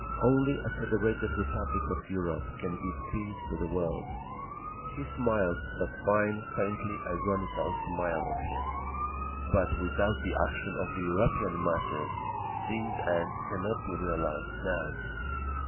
Only a Federated Republic of Europe can give peace to the world." He smiled—that fine, faintly ironical smile of his. "But without the action of the European masses, these ends cannot be realised—now…."